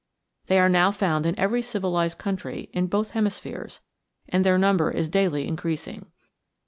They are now found in every civilized country in both hemispheres and their number is daily increasing.